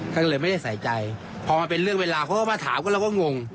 ก็เลยไม่ได้ใส่ใจพอมันเป็นเรื่องเวลาเขาก็มาถามก็เราก็งง